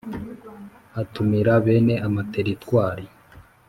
Atumira bene amateritwari